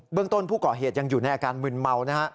เบื้องต้นผู้ก่อเหตุยังอยู่ในอาการมึนเมา